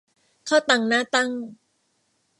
ข้าวตังหน้าตั้ง